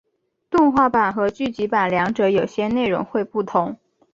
动画版和剧集版两者有些内容会不同。